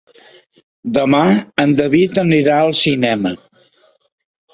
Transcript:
Demà en David anirà al cinema.